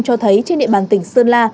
cho thấy trên địa bàn tỉnh sơn la